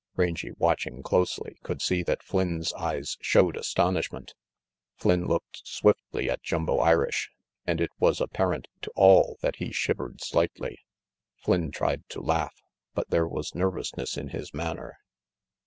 Rangy, watching closely, could see that Flynn's eyes showed astonishment. Flynn looked swiftly at Jumbo Irish, and it was apparent to all that he shivered slightly. Flynn tried to laugh, but there was nervousness in his manner.